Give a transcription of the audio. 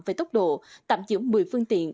về tốc độ tạm giữ một mươi phương tiện